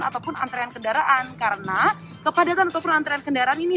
ataupun antrean kendaraan karena kepadatan ataupun antrean kendaraan ini